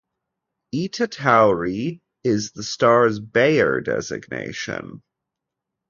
"Eta Tauri" is the star's Bayer designation.